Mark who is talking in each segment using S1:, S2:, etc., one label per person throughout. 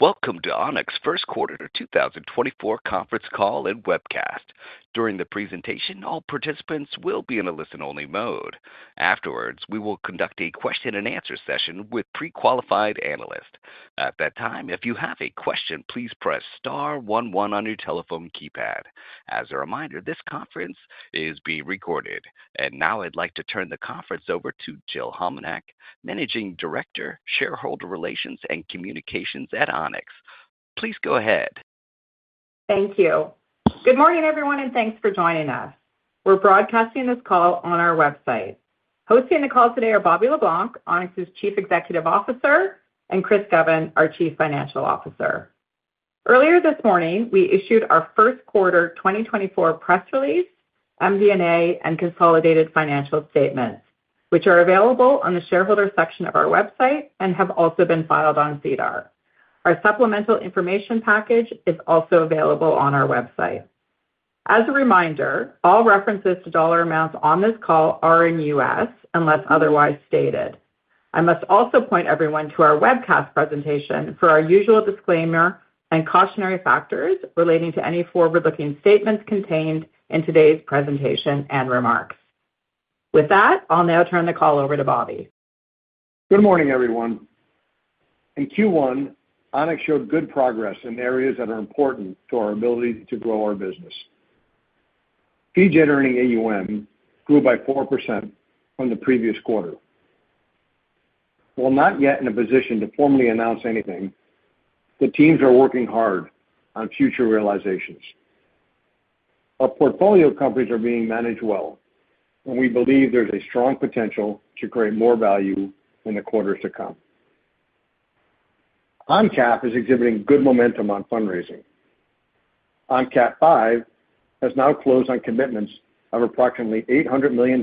S1: Welcome to Onex's First Quarter 2024 Conference Call and Webcast. During the presentation, all participants will be in a listen-only mode. Afterwards, we will conduct a question-and-answer session with pre-qualified analysts. At that time, if you have a question, please press star one one on your telephone keypad. As a reminder, this conference is being recorded. And now I'd like to turn the conference over to Jill Homenuk, Managing Director, Shareholder Relations and Communications at Onex. Please go ahead.
S2: Thank you. Good morning, everyone, and thanks for joining us. We're broadcasting this call on our website. Hosting the call today are Bobby Le Blanc, Onex Corporation's Chief Executive Officer, and Chris Govan, our Chief Financial Officer. Earlier this morning, we issued our first quarter 2024 press release, MD&A, and consolidated financial statements, which are available on the shareholder section of our website and have also been filed on SEDAR. Our supplemental information package is also available on our website. As a reminder, all references to dollar amounts on this call are in the U.S. unless otherwise stated. I must also point everyone to our webcast presentation for our usual disclaimer and cautionary factors relating to any forward-looking statements contained in today's presentation and remarks. With that, I'll now turn the call over to Bobby.
S3: Good morning, everyone. In Q1, Onex showed good progress in areas that are important to our ability to grow our business. FG AUM grew by 4% from the previous quarter. While not yet in a position to formally announce anything, the teams are working hard on future realizations. Our portfolio companies are being managed well, and we believe there's a strong potential to create more value in the quarters to come. ONCAP is exhibiting good momentum on fundraising. ONCAP V has now closed on commitments of approximately $800 million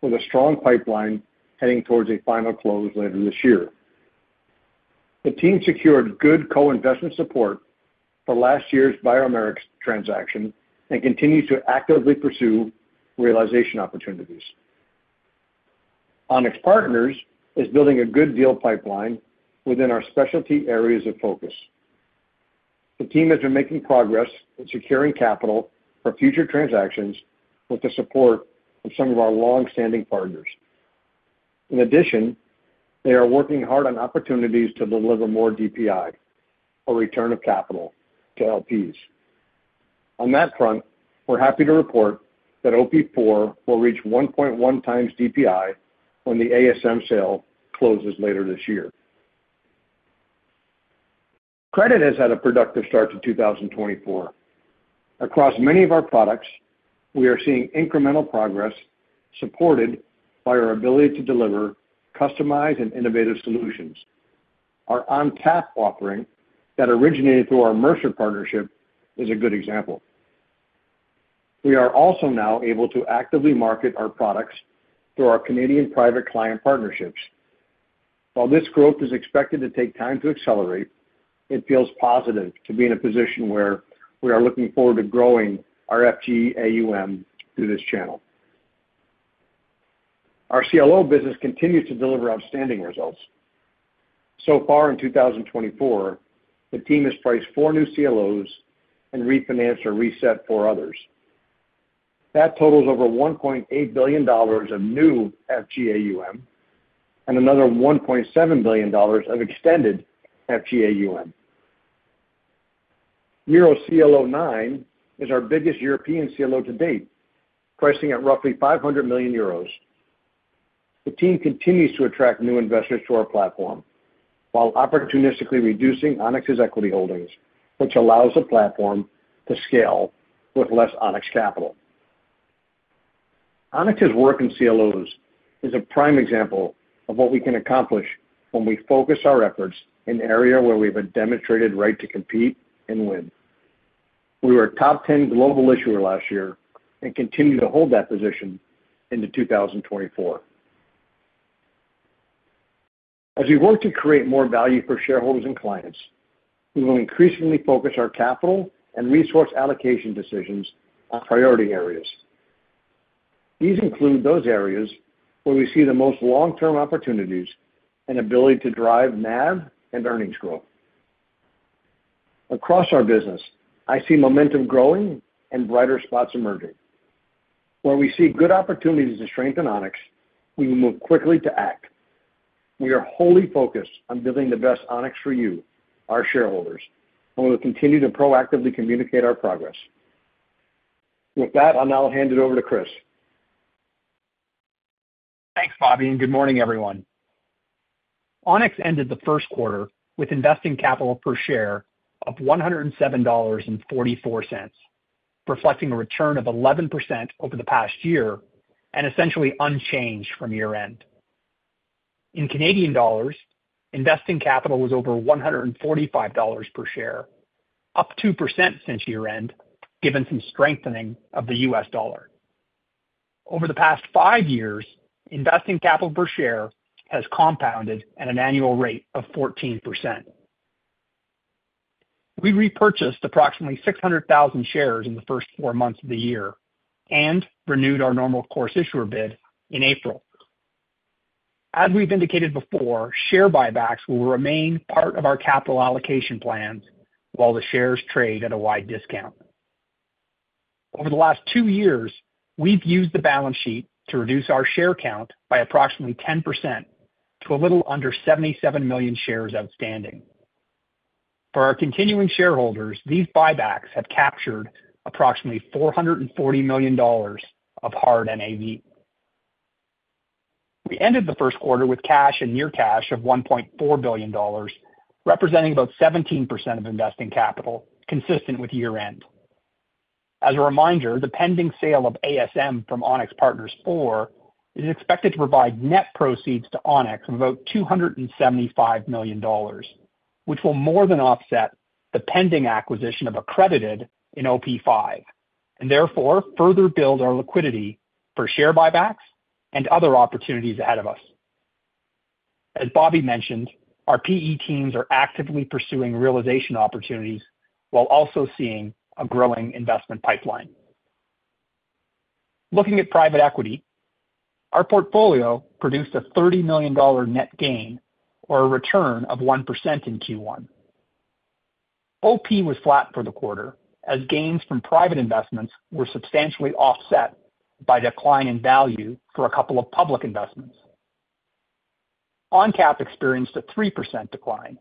S3: with a strong pipeline heading towards a final close later this year. The team secured good co-investment support for last year's Biomerics transaction and continues to actively pursue realization opportunities. Onex Partners is building a good deal pipeline within our specialty areas of focus. The team has been making progress in securing capital for future transactions with the support of some of our longstanding partners. In addition, they are working hard on opportunities to deliver more DPI, or return of capital, to LPs. On that front, we're happy to report that OP4 will reach 1.1x DPI when the ASM sale closes later this year. Credit has had a productive start to 2024. Across many of our products, we are seeing incremental progress supported by our ability to deliver customized and innovative solutions. Our ONCAP offering that originated through our Mercer partnership is a good example. We are also now able to actively market our products through our Canadian private client partnerships. While this growth is expected to take time to accelerate, it feels positive to be in a position where we are looking forward to growing our FG AUM through this channel. Our CLO business continues to deliver outstanding results. So far in 2024, the team has priced four new CLOs and refinanced or reset four others. That totals over $1.8 billion of new FG AUM and another $1.7 billion of extended FG AUM. Euro CLO-9 is our biggest European CLO to date, pricing at roughly 500 million euros. The team continues to attract new investors to our platform while opportunistically reducing Onex's equity holdings, which allows the platform to scale with less Onex capital. Onex's work in CLOs is a prime example of what we can accomplish when we focus our efforts in areas where we have a demonstrated right to compete and win. We were a top 10 global issuer last year and continue to hold that position into 2024. As we work to create more value for shareholders and clients, we will increasingly focus our capital and resource allocation decisions on priority areas. These include those areas where we see the most long-term opportunities and ability to drive NAV and earnings growth. Across our business, I see momentum growing and brighter spots emerging. Where we see good opportunities to strengthen Onex, we will move quickly to act. We are wholly focused on building the best Onex for you, our shareholders, and we will continue to proactively communicate our progress. With that, I'll now hand it over to Chris.
S4: Thanks, Bobby, and good morning, everyone. Onex ended the first quarter with investing capital per share of $107.44, reflecting a return of 11% over the past year and essentially unchanged from year-end. In Canadian dollars, investing capital was over 145 dollars per share, up 2% since year-end given some strengthening of the U.S. dollar. Over the past five years, investing capital per share has compounded at an annual rate of 14%. We repurchased approximately 600,000 shares in the first four months of the year and renewed our Normal Course Issuer Bid in April. As we've indicated before, share buybacks will remain part of our capital allocation plans while the shares trade at a wide discount. Over the last two years, we've used the balance sheet to reduce our share count by approximately 10% to a little under 77 million shares outstanding. For our continuing shareholders, these buybacks have captured approximately $440 million of hard NAV. We ended the first quarter with cash and near-cash of $1.4 billion, representing about 17% of investing capital consistent with year-end. As a reminder, the pending sale of ASM Global from Onex Partners IV is expected to provide net proceeds to Onex of about $275 million, which will more than offset the pending acquisition of Accredited in OP5 and therefore further build our liquidity for share buybacks and other opportunities ahead of us. As Bobby mentioned, our PE teams are actively pursuing realization opportunities while also seeing a growing investment pipeline. Looking at private equity, our portfolio produced a $30 million net gain or a return of 1% in Q1. OP was flat for the quarter as gains from private investments were substantially offset by decline in value for a couple of public investments. ONCAP experienced a 3% decline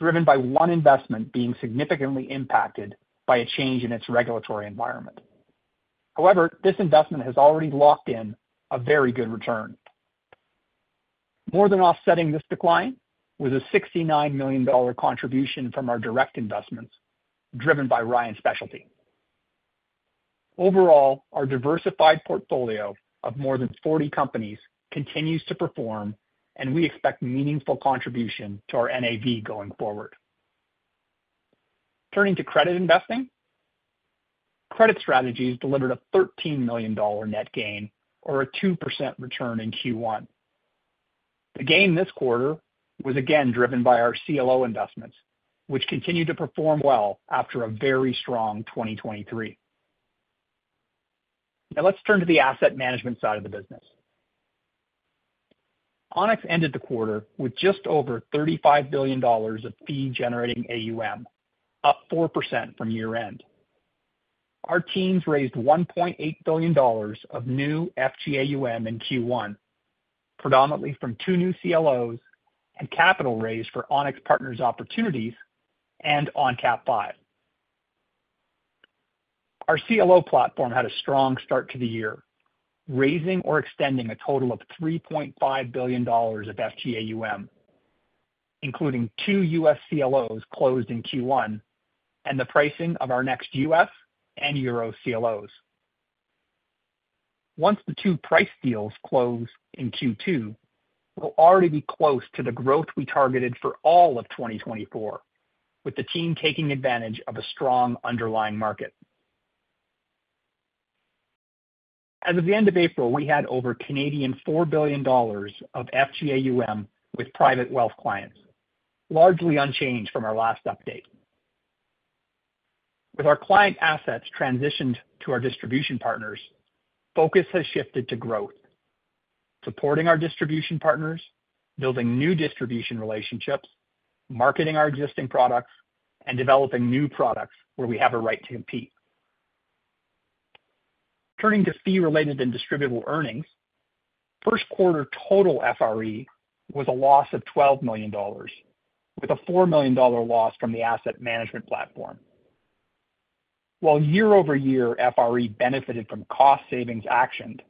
S4: driven by one investment being significantly impacted by a change in its regulatory environment. However, this investment has already locked in a very good return. More than offsetting this decline was a $69 million contribution from our direct investments driven by Ryan Specialty. Overall, our diversified portfolio of more than 40 companies continues to perform, and we expect meaningful contribution to our NAV going forward. Turning to credit investing, credit strategies delivered a $13 million net gain or a 2% return in Q1. The gain this quarter was again driven by our CLO investments, which continued to perform well after a very strong 2023. Now, let's turn to the asset management side of the business. Onex ended the quarter with just over $35 billion of fee-generating AUM, up 4% from year-end. Our teams raised $1.8 billion of new FG AUM in Q1, predominantly from two new CLOs and capital raised for Onex Partners Opportunities and ONCAP V. Our CLO platform had a strong start to the year, raising or extending a total of $3.5 billion of FG AUM, including two U.S. CLOs closed in Q1 and the pricing of our next U.S. and Euro CLOs. Once the two price deals close in Q2, we'll already be close to the growth we targeted for all of 2024, with the team taking advantage of a strong underlying market. As of the end of April, we had over 4 billion Canadian dollars of FG AUM with private wealth clients, largely unchanged from our last update. With our client assets transitioned to our distribution partners, focus has shifted to growth: supporting our distribution partners, building new distribution relationships, marketing our existing products, and developing new products where we have a right to compete. Turning to fee-related and distributable earnings, first quarter total FRE was a loss of $12 million, with a $4 million loss from the asset management platform. While year-over-year FRE benefited from cost savings actioned,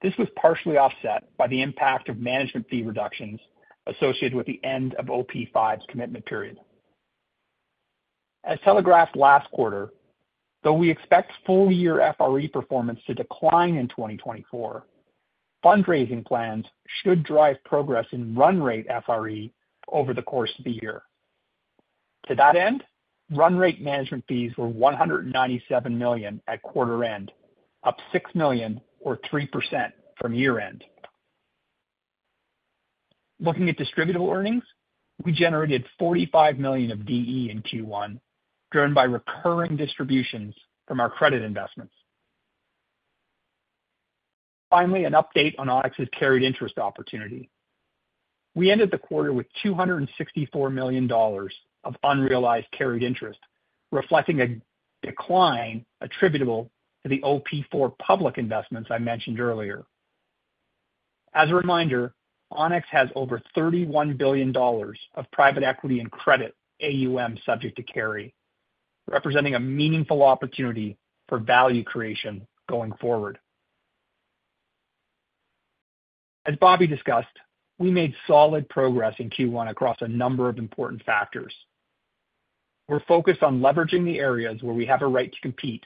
S4: this was partially offset by the impact of management fee reductions associated with the end of OP5's commitment period. As telegraphed last quarter, though we expect full-year FRE performance to decline in 2024, fundraising plans should drive progress in run-rate FRE over the course of the year. To that end, run-rate management fees were $197 million at quarter-end, up $6 million or 3% from year-end. Looking at distributable earnings, we generated $45 million of DE in Q1, driven by recurring distributions from our credit investments. Finally, an update on Onex's carried interest opportunity. We ended the quarter with $264 million of unrealized carried interest, reflecting a decline attributable to the OP4 public investments I mentioned earlier. As a reminder, Onex has over $31 billion of private equity and credit AUM subject to carry, representing a meaningful opportunity for value creation going forward. As Bobby discussed, we made solid progress in Q1 across a number of important factors. We're focused on leveraging the areas where we have a right to compete,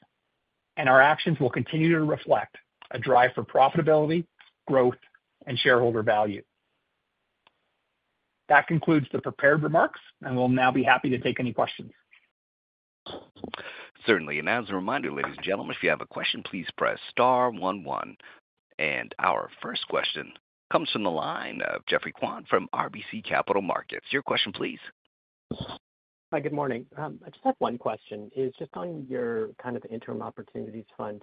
S4: and our actions will continue to reflect a drive for profitability, growth, and shareholder value. That concludes the prepared remarks, and we'll now be happy to take any questions.
S1: Certainly. As a reminder, ladies and gentlemen, if you have a question, please press star one one. Our first question comes from the line of Geoffrey Kwan from RBC Capital Markets. Your question, please.
S5: Hi, good morning. I just have one question. Just on your kind of interim opportunities fund,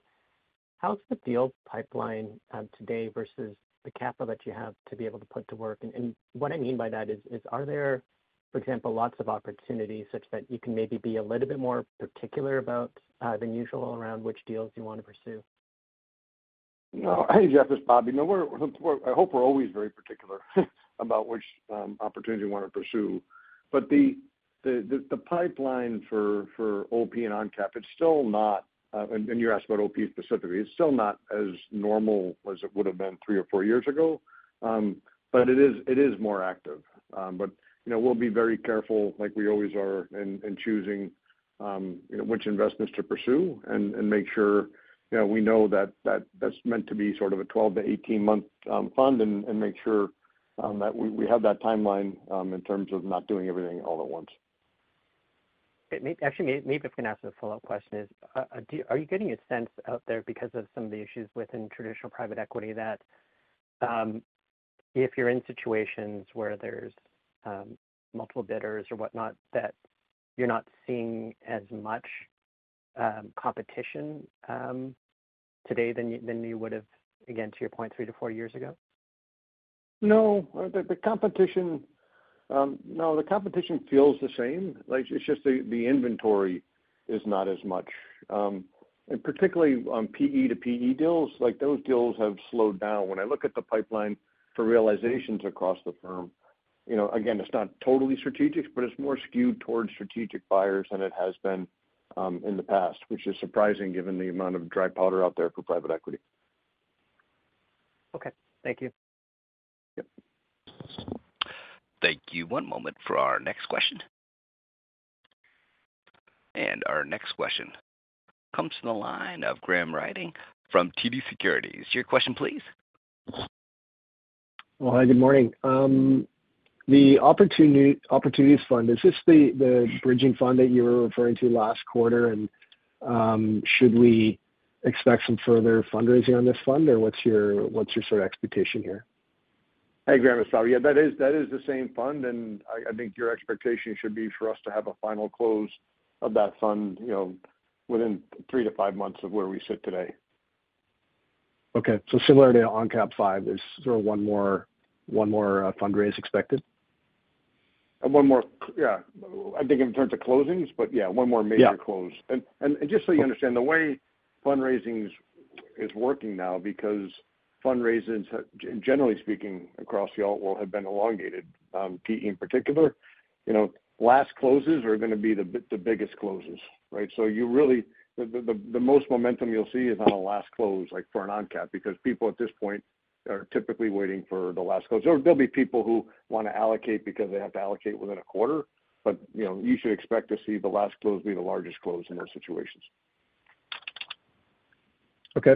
S5: how's the deal pipeline today versus the capital that you have to be able to put to work? And what I mean by that is, are there, for example, lots of opportunities such that you can maybe be a little bit more particular than usual around which deals you want to pursue?
S3: Hey, Geoff. It's Bobby. I hope we're always very particular about which opportunity you want to pursue. But the pipeline for OP and ONCAP, it's still not, and you asked about OP specifically. It's still not as normal as it would have been three or four years ago, but it is more active. But we'll be very careful, like we always are, in choosing which investments to pursue and make sure we know that that's meant to be sort of a 12-18-month fund and make sure that we have that timeline in terms of not doing everything all at once.
S5: Actually, maybe I can ask a follow-up question. Are you getting a sense out there, because of some of the issues within traditional private equity, that if you're in situations where there's multiple bidders or whatnot, that you're not seeing as much competition today than you would have, again, to your point, three to four years ago?
S3: No. No, the competition feels the same. It's just the inventory is not as much. And particularly on PE to PE deals, those deals have slowed down. When I look at the pipeline for realizations across the firm, again, it's not totally strategic, but it's more skewed towards strategic buyers than it has been in the past, which is surprising given the amount of dry powder out there for private equity.
S5: Okay. Thank you.
S1: Thank you. One moment for our next question. And our next question comes from the line of Graham Ryding from TD Securities. Your question, please.
S6: Well, hi, good morning. The Opportunities Fund, is this the bridging fund that you were referring to last quarter? And should we expect some further fundraising on this fund, or what's your sort of expectation here?
S3: Hey, Graham. It's Bobby. Yeah, that is the same fund, and I think your expectation should be for us to have a final close of that fund within three to five months of where we sit today.
S6: Okay. Similar to ONCAP V, is there one more fundraise expected?
S3: One more. Yeah. I think in terms of closings, but yeah, one more major close. And just so you understand, the way fundraising is working now, because fundraisers, generally speaking, across the alt world have been elongated, PE in particular, last closes are going to be the biggest closes, right? So the most momentum you'll see is on a last close for an ONCAP because people at this point are typically waiting for the last close. There'll be people who want to allocate because they have to allocate within a quarter, but you should expect to see the last close be the largest close in those situations.
S6: Okay.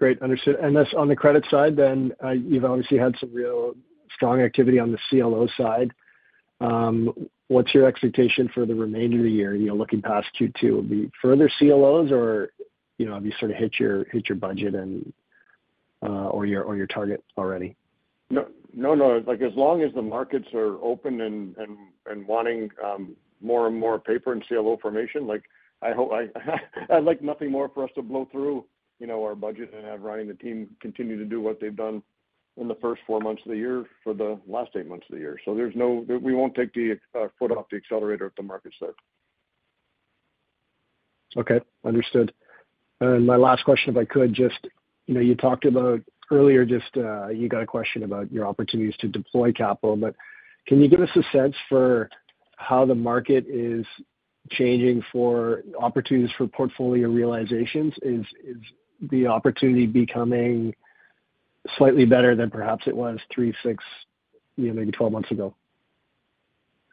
S6: Great. Understood. And on the credit side then, you've obviously had some real strong activity on the CLO side. What's your expectation for the remainder of the year? Looking past Q2, will be further CLOs, or have you sort of hit your budget or your target already?
S3: No, no. As long as the markets are open and wanting more and more paper and CLO formation, I'd like nothing more for us to blow through our budget and have Ronnie the team continue to do what they've done in the first four months of the year for the last eight months of the year. So we won't take the foot off the accelerator if the market's there.
S6: Okay. Understood. And my last question, if I could, just you talked about earlier, just you got a question about your opportunities to deploy capital, but can you give us a sense for how the market is changing for opportunities for portfolio realizations? Is the opportunity becoming slightly better than perhaps it was three, six, maybe 12 months ago?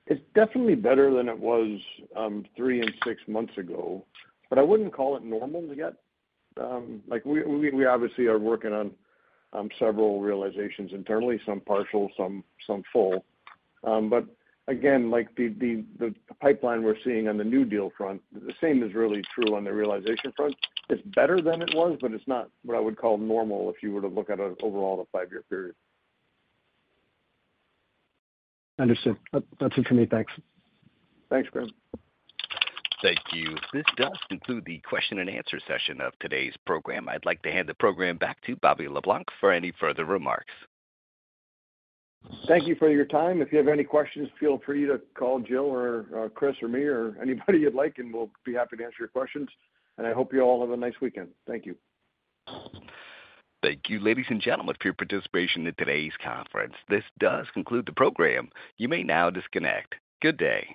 S3: It's definitely better than it was three and six months ago, but I wouldn't call it normal yet. We obviously are working on several realizations internally, some partial, some full. But again, the pipeline we're seeing on the new deal front, the same is really true on the realization front. It's better than it was, but it's not what I would call normal if you were to look at overall the five-year period.
S6: Understood. That's it for me. Thanks.
S3: Thanks, Graham.
S1: Thank you. This does conclude the question-and-answer session of today's program. I'd like to hand the program back to Bobby Le Blanc for any further remarks.
S3: Thank you for your time. If you have any questions, feel free to call Jill or Chris or me or anybody you'd like, and we'll be happy to answer your questions. I hope you all have a nice weekend. Thank you.
S1: Thank you, ladies and gentlemen, for your participation in today's conference. This does conclude the program. You may now disconnect. Good day.